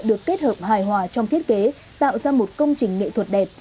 được kết hợp hài hòa trong thiết kế tạo ra một công trình nghệ thuật đẹp